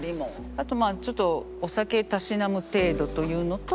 あとまあちょっとお酒嗜む程度というのと。